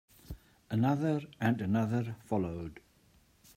Another and another followed.